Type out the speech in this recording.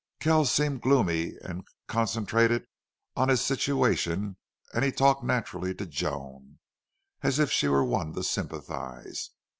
Kells seemed gloomy and concentrated on his situation and he talked naturally to Joan, as if she were one to sympathize.